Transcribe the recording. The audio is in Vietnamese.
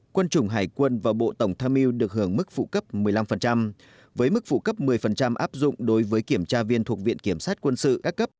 quân chủng hải quân và bộ tổng tham mưu được hưởng mức phụ cấp một mươi năm với mức phụ cấp một mươi áp dụng đối với kiểm tra viên thuộc viện kiểm sát quân sự các cấp